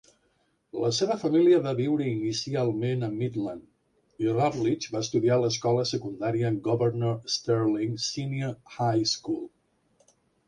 La seva família va viure inicialment a Midland, i Ravlich va estudiar a l'escola secundària Governor Stirling Senior High School.